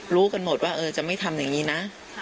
รู้กันหมดว่าจะไม่ทำอย่างนี้นะ